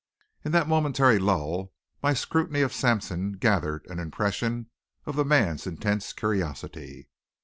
In that momentary lull my scrutiny of Sampson gathered an impression of the man's intense curiosity.